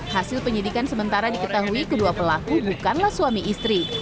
hasil penyidikan sementara diketahui kedua pelaku bukanlah suami istri